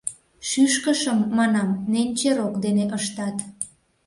Шӱшкышым, манам, ненче рок дене ыштат...